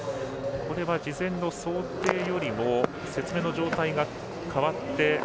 これは、事前の想定よりも雪面の状態が変わって。